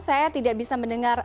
saya tidak bisa mendengar